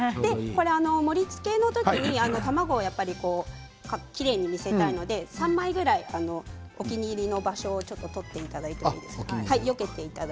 盛りつけの時に、卵きれいに見せたいので３枚くらいお気に入りの場所を取っていただいていいですか。